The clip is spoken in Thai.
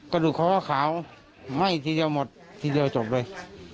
กระดูกคอขาวไหม้ทีเดียวหมดทีเดียวจบเลย